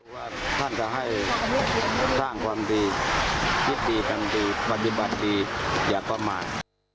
ว่าท่านก็ให้สร้างความดีคิดดีกันดีปฏิบัติดีอย่าประมาท